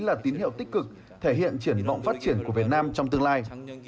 đó là một tín hiệu tích cực thể hiện triển vọng phát triển của việt nam trong tương lai